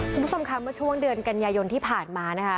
คุณผู้ชมค่ะเมื่อช่วงเดือนกันยายนที่ผ่านมานะคะ